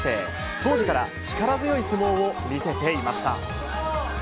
当時から力強い相撲を見せていました。